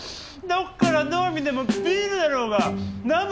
どっからどう見てもビールだろうが！なあ？